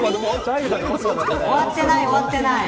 終わってない、終わってない。